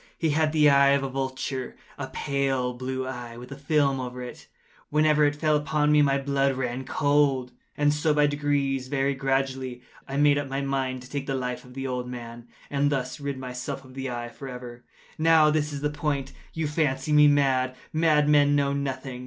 He had the eye of a vulture—a pale blue eye, with a film over it. Whenever it fell upon me, my blood ran cold; and so by degrees—very gradually—I made up my mind to take the life of the old man, and thus rid myself of the eye forever. Now this is the point. You fancy me mad. Madmen know nothing.